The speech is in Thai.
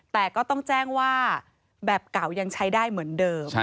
แต่ก็ต้องแจ้งว่าแบบเก่ายังใช้ได้เหมือนเดิม